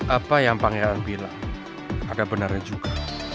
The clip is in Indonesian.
apa yang pang elang bilang ada benarnya juga